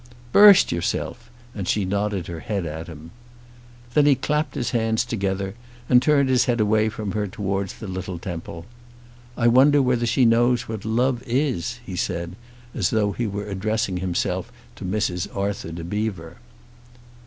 "Burst yourself!" and she nodded her head at him. Then he clapped his hands together, and turned his head away from her towards the little temple. "I wonder whether she knows what love is," he said, as though he were addressing himself to Mrs. Arthur de Bever.